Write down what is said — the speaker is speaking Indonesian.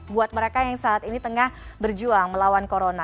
buat mereka yang saat ini tengah berjuang melawan corona